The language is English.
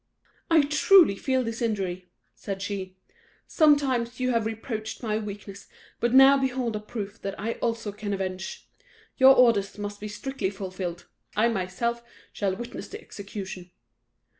"I truly feel this injury," said she; "some times you have reproached my weakness, but now behold a proof that I also can avenge. Your orders must be strictly fulfilled I myself shall witness the execution."